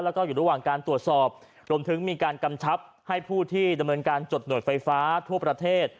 แล้วก็อยู่ระหว่างการตรวจสอบรวมถึงมีการกำชับให้ผู้ที่ดำเนินการจดหน่วยไฟฟ้าทั่วประเทศ